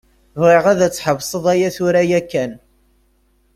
Bɣiɣ ad tḥebseḍ aya tura yakan.